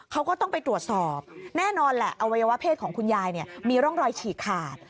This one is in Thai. เขาก็ต้องไปตรวจสอบแน่นอนแหละอวัยวะเพศของคุณยายมีร่องรอยฉีกขาด